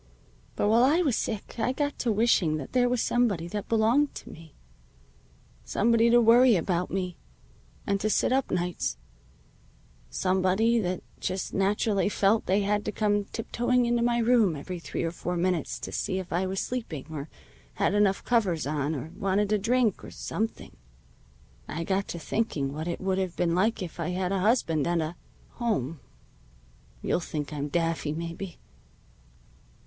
But while I was sick I got to wishing that there was somebody that belonged to me. Somebody to worry about me, and to sit up nights somebody that just naturally felt they had to come tiptoeing into my room every three or four minutes to see if I was sleeping, or had enough covers on, or wanted a drink, or something. I got to thinking what it would have been like if I had a husband and a home. You'll think I'm daffy, maybe."